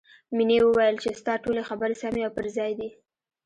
مینې وویل چې ستا ټولې خبرې سمې او پر ځای دي